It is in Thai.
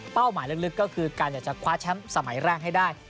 เป้าหมายลึกก็คือการ์ดชัมสมัยแรกให้ได้